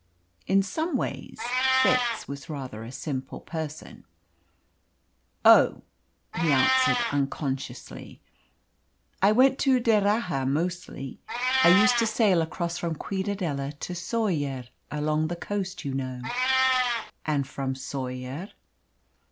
In some ways Fitz was rather a simple person. "Oh!" he answered unconsciously. "I went to D'Erraha mostly. I used to sail across from Ciudadela to Soller along the coast, you know." "And from Soller?"